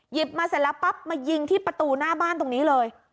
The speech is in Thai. มาเสร็จแล้วปั๊บมายิงที่ประตูหน้าบ้านตรงนี้เลย